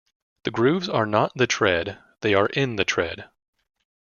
The grooves are not the tread, they are "in" the tread.